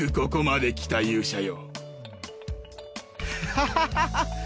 「ハハハハ！